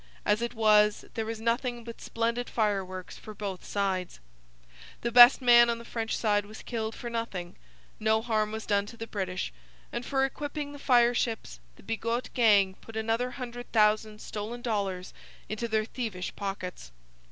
As it was there was nothing but splendid fireworks for both sides. The best man on the French side was killed for nothing; no harm was done to the British; and for equipping the fireships the Bigot gang put another hundred thousand stolen dollars into their thievish pockets.